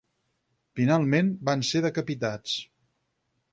Finalment van ser decapitats.